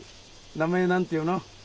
名前なんていうの？